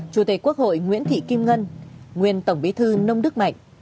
chủ tịch quốc hội nguyễn thị kim ngân nguyên tổng bí thư nông đức mạnh